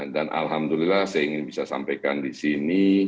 dan alhamdulillah saya ingin bisa sampaikan di sini